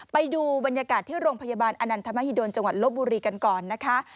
ไปดูบรรยากาศที่โรงพยาบาลอนันทมหิดลจังหวัดลบบุรีกันก่อนนะคะ